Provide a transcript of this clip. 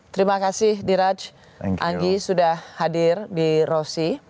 terima kasih diraj anggi sudah hadir di rossi